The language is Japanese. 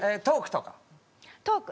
トーク。